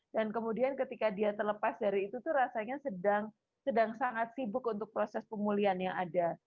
dan kemudian ketika dia terlepas dari itu tuh rasanya sedang sangat sibuk untuk proses pemulihan yang ada